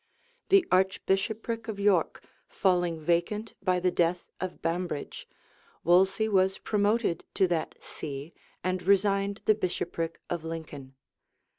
The archbishopric of York falling vacant by the death of Bambridge, Wolsey was promoted to that see, and resigned the bishopric of Lincoln.